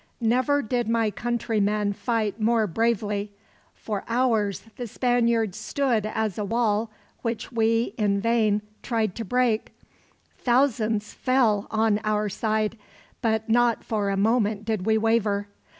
Never did my countrymen fight more bravely. For hours, the Spaniards stood as a wall which we, in vain, tried to break. Thousands fell on our side, but not for a moment did we waver.